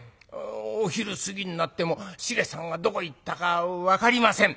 お昼過ぎになっても繁さんがどこ行ったか分かりません。